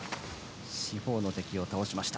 四方の敵を倒しました。